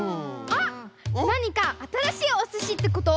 あっなにかあたらしいおすしってこと？